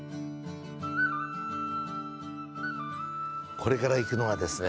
これから行くのはですね